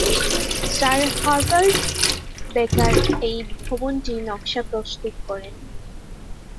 Sir Herbert Baker এই ভবনটির নকশা প্রস্তুত করেন।